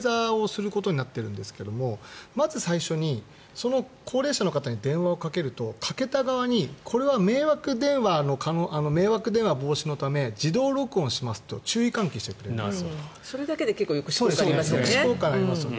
実は私、そのアドバイザーをすることになってるんですけどまず最初に高齢者の方に電話をかけるとかけた側にこれは迷惑電話防止のため自動録音しますと注意喚起してくれるんです。